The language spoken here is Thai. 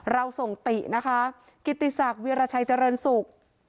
เราส่งตินะคะกิติศักดิ์วิราชัยเจริญศุกร์